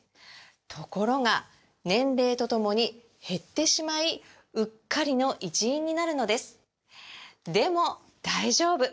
ところが年齢とともに減ってしまいうっかりの一因になるのですでも大丈夫！